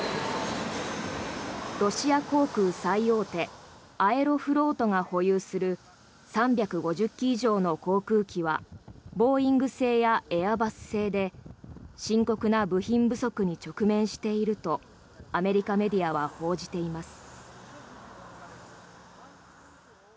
ロシア航空最大手アエロフロートが保有する３５０機以上の航空機はボーイング製やエアバス製で深刻な部品不足に直面しているとアメリカメディアは報じています。